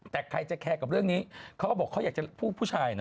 แต่ใครจะแคร์กับเรื่องนี้เขาก็บอกเขาอยากจะพูดผู้ชายนะ